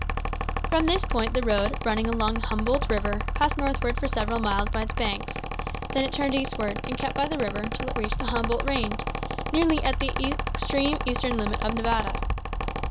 From this point the road, running along Humboldt River, passed northward for several miles by its banks; then it turned eastward, and kept by the river until it reached the Humboldt Range, nearly at the extreme eastern limit of Nevada.